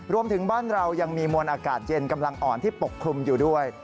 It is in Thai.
รวมถึงบ้านเรายังมีมวลอากาศเย็นกำลังอ่อนที่ปกคลุมอยู่ด้วย